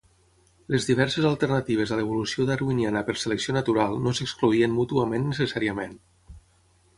Les diverses alternatives a l'evolució darwiniana per selecció natural no s'excloïen mútuament necessàriament.